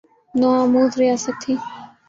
نو آموز ریاست تھی۔